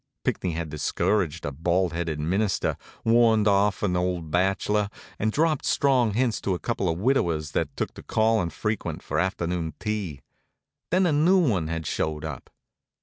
Pinckney had discouraged a bald headed minister, warned off an old bachelor, and dropped strong hints to a couple of widowers that took to callin' frequent for afternoon tea. Then a new one had showed up.